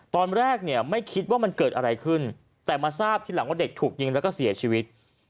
ตอนแรกเนี่ยไม่คิดว่ามันเกิดอะไรขึ้นแต่มาทราบทีหลังว่าเด็กถูกยิงแล้วก็เสียชีวิต